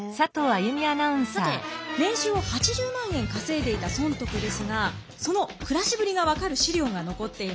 さて年収を８０万円稼いでいた尊徳ですがその暮らしぶりが分かる資料が残っています。